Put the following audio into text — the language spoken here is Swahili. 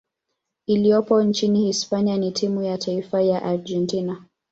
iliyopo nchini Hispania na timu ya taifa ya Argentina.